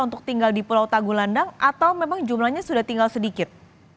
untuk tinggal di pulau tagulandang atau memang jumlahnya sudah tinggal sedikit